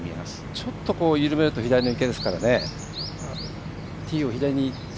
ちょっと緩めると左の池ですからね。